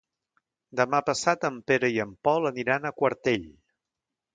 Demà passat en Pere i en Pol aniran a Quartell.